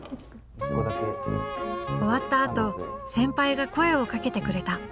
終わったあと先輩が声をかけてくれた。